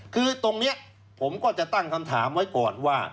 คือตรงนี้ผมก็จะตั้งคำถามไว้ก่อนว่า